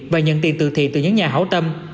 và nhận tiền từ thị từ những nhà hảo tâm